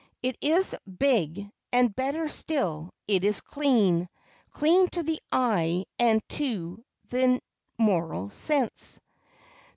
It is big, and, better still, it is clean clean to the eye and to the moral sense.